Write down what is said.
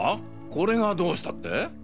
これがどうしたって？